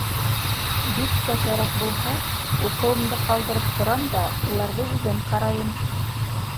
Бик тә кәрәк булһа, уҡыуымды ҡалдырып торам да, уларҙы үҙем ҡарайым.